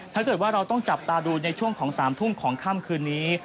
ถ้าเกิดว่าเราต้องจับตาดูในช่วงของ๓ทุ่มของค่ำคืนนี้